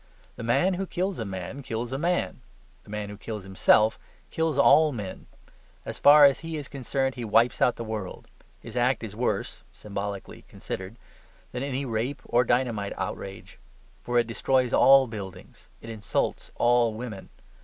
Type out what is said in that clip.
The man who kills a man, kills a man. The man who kills himself, kills all men; as far as he is concerned he wipes out the world. His act is worse (symbolically considered) than any rape or dynamite outrage. For it destroys all buildings: it insults all women.